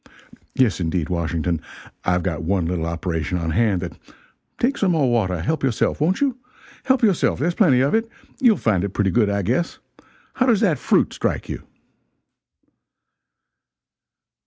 Yes indeed, Washington, I've got one little operation on hand that take some more water help yourself, won't you? help yourself, there's plenty of it. You'll find it pretty good, I guess. How does that fruit strike you?"